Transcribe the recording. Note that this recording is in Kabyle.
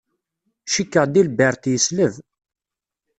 Cikkeɣ Delbert yesleb.